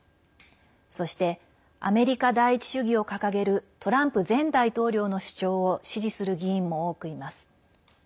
そして、アメリカ第一主義を掲げるトランプ前大統領の主張を支持する議員も多くいます。